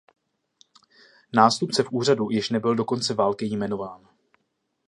Nástupce v úřadu již nebyl do konce války jmenován.